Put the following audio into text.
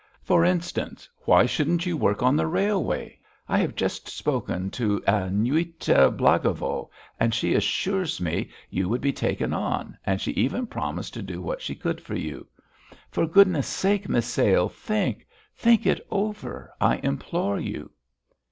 For instance, why shouldn't you work on the railway? I have just spoken to Aniuta Blagovo, and she assures me you would be taken on, and she even promised to do what she could for you. For goodness sake, Misail, think! Think it over, I implore you!"